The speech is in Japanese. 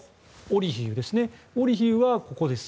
オリヒウはここです。